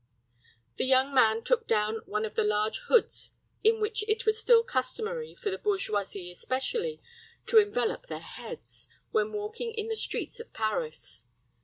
The young man took down one of the large hoods in which it was still customary, for the bourgeoisie especially, to envelop their heads, when walking in the streets of Paris.